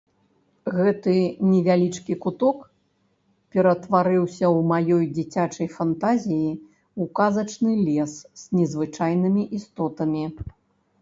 Гэты невялічкі куток ператварыўся ў маёй дзіцячай фантазіі ў казачны лес з незвычайнымі істотамі.